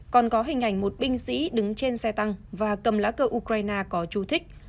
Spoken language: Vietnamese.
còn có hình ảnh một binh sĩ đứng trên xe tăng và cầm lá cờ ukraine có chu thích